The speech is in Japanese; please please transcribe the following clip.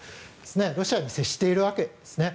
ロシアに接しているわけですね。